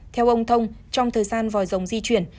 theo ông thông trong thời gian vòi rồng di chuyển